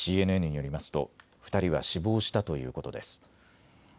ＣＮＮによりますと２人は死亡したということです。